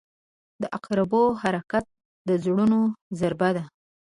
• د عقربو حرکت د زړونو ضربه ده.